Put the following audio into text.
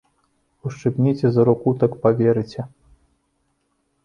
Ушчыпніце за руку, так паверыце.